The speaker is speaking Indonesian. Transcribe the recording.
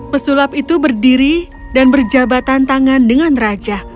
pesulap itu berdiri dan berjabatan tangan dengan raja